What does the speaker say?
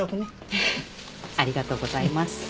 フフッありがとうございます。